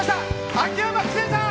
秋山気清さん